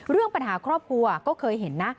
เรื่องปัญหาครอบครัวก็เคยเห็นนะ